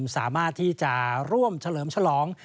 สามารถที่จะร่วมเฉลิมฉลอง